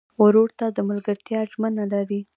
ورور ته د ملګرتیا ژمنه لرې.